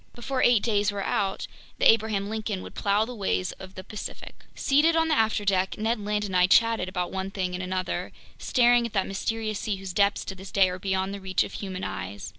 Before eight days were out, the Abraham Lincoln would plow the waves of the Pacific. Seated on the afterdeck, Ned Land and I chatted about one thing and another, staring at that mysterious sea whose depths to this day are beyond the reach of human eyes.